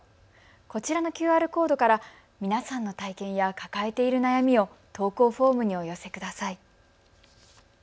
こちらのＱＲコードから皆さんの体験や抱えている悩みを投稿フォームにお寄せください。